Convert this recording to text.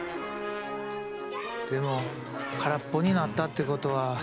でも空っぽになったってことは。